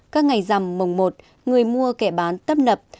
các ngày rằm mùng một người mua kẻ bán tấp nập